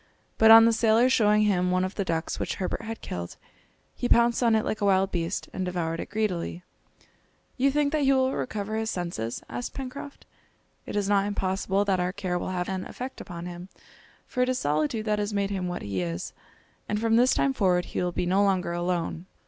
But on the sailor showing him one of the ducks which Herbert had killed, he pounced on it like a wild beast, and devoured it greedily. "You think that he will recover his senses?" asked Pencroft. "It is not impossible that our care will have an effect upon him, for it is solitude that has made him what he is, and from this time forward he will be no longer alone."